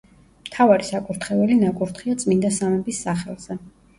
მთავარი საკურთხეველი ნაკურთხია წმინდა სამების სახელზე.